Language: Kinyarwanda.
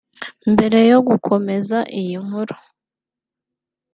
Mbere yo gukomeza iyi nkuru